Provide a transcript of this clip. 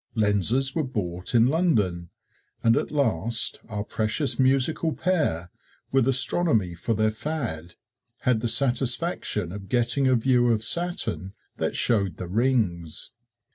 Lenses were bought in London, and at last our precious musical pair, with astronomy for their fad, had the satisfaction of getting a view of Saturn that showed the rings.